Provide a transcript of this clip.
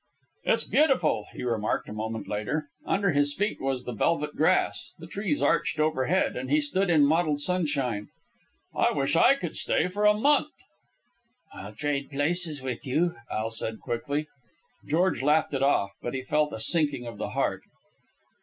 "It's beautiful," he remarked a moment later. Under his feet was the velvet grass, the trees arched overhead, and he stood in mottled sunshine. "I wish I could stay for a month." "I'll trade places with you," Al said quickly. George laughed it off, but he felt a sinking of the heart.